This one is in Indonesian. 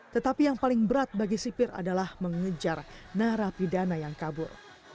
tetapi yang paling berat bagi sipir adalah mengejar narapidana yang kabur